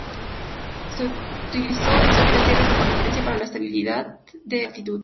Se utilizó al Sol y la Tierra como referencia para la estabilización de actitud.